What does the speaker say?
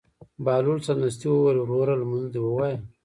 بهلول سمدستي وویل: وروره لمونځ دې ووایه.